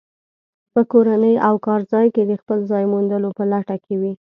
په کورنۍ او کارځای کې د خپل ځای موندلو په لټه کې وي.